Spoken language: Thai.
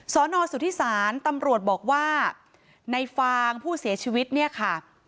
สอนอสุทธิศาลตำรวจบอกว่าในฟางผู้เสียชีวิตเนี่ยค่ะ